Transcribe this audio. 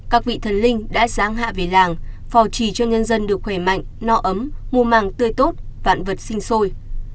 các vị thần linh đã giáng hạ về làng phò trì cho nhân dân được khỏe mạnh no ấm mùa màng tươi tốt vạn vật sinh sôi